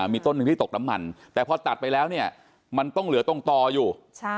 มีต้นหนึ่งที่ตกน้ำมันแต่พอตัดไปแล้วเนี่ยมันต้องเหลือตรงต่ออยู่